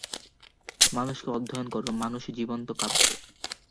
মানুষকে অধ্যয়ন কর, মানুষই জীবন্ত কাব্য।